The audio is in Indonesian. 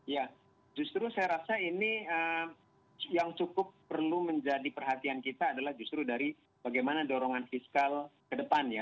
ya justru saya rasa ini yang cukup perlu menjadi perhatian kita adalah justru dari bagaimana dorongan fiskal ke depan ya